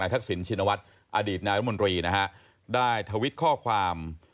ทักษิณชินวัฒน์อดีตนายรัฐมนตรีนะฮะได้ทวิตข้อความ